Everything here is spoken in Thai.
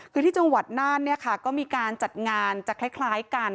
คือที่จังหวัดน่านเนี่ยค่ะก็มีการจัดงานจะคล้ายกัน